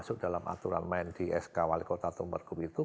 atau mungkin pkl yang tidak masuk dalam aturan main di sk wali kota tumarku itu